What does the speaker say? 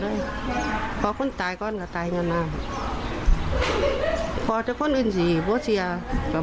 เชื่อว่าเป็นผู้ใดค่ะมาเกิด